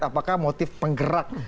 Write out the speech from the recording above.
apakah motif penggerak